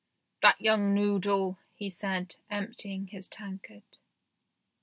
" The young noodle," he said, emptying his tankard.